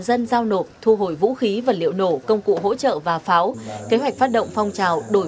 dân giao nộp thu hồi vũ khí vật liệu nổ công cụ hỗ trợ và pháo kế hoạch phát động phong trào đổi